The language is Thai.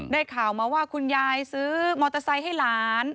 ได้ข่าวมาว่าคุณยายซื้อมอเตอร์ไซค์ให้หลาน